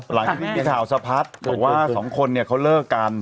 หลังที่มีข่าวสะพัดแต่ว่า๒คนเนี่ยเขาเลิกกัน